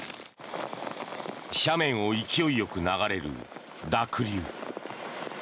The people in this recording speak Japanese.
斜面を勢いよく流れる濁流。